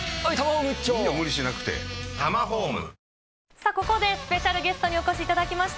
さあここでスペシャルゲストにお越しいただきました。